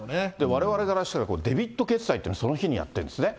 われわれからしたら、デビット決済ってその日にやってるんですね。